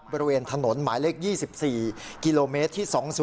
บริเวณถนนหมายเลข๒๔กิโลเมตรที่๒๐